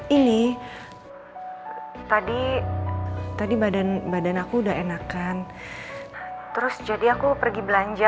ini tadi tadi badan badan aku udah enakan terus jadi aku pergi belanja